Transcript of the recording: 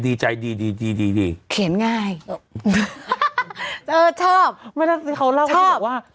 ดีใจดีดีดีดีดีเขียนง่ายเออชอบเขาเล่าชอบว่า